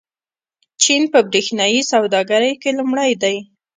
چین په برېښنايي سوداګرۍ کې لومړی دی.